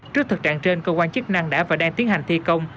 trước thực trạng trên cơ quan chức năng đã và đang tiến hành thi công